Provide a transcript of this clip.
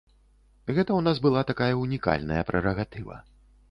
Гэта ў нас была такая ўнікальная прэрагатыва.